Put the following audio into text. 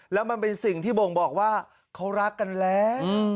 แล้วมันเป็นสิ่งที่บ่งบอกว่าเขารักกันแล้ว